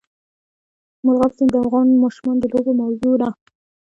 مورغاب سیند د افغان ماشومانو د لوبو موضوع ده.